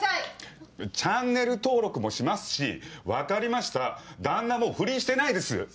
チャンネル登録もしますし分かりました旦那も不倫してないです。